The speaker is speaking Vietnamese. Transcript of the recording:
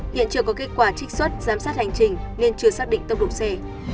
hiện chưa có kết quả trích xuất giám sát hành trình nên chưa xác định tốc độ xe